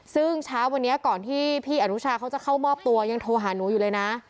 ซึ่งเช้าวันนี้ก่อนที่พี่อนุชาเขาจะเข้ามอบตัวยังโทรหาหนูอยู่เลยนะ